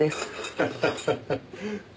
ハハハハ。